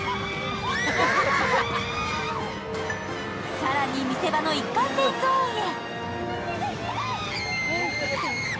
更に、見せ場の一回転ゾーンへ。